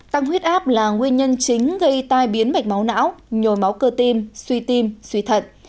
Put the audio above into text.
tăng huyết áp là nguyên nhân chính gây tai biến mạch máu não nhồi máu cơ tim suy tim suy thận